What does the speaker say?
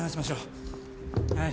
はい。